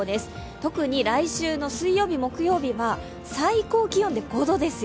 特に来週の水曜日、木曜日は最高気温で５度ですよ。